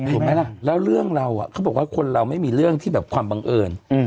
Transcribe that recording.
เห็นไหมล่ะแล้วเรื่องเราเขาบอกว่าคนเราไม่มีเรื่องที่แบบความบังเอิญ